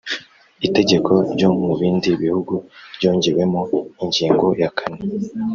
Itegeko ryo mu bindi bihugu ryongewemo ingingo ya kane